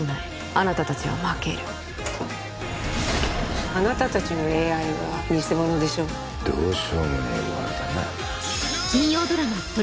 あなた達は負けるあなた達のＡＩは偽物でしょどうしようもねえ悪だな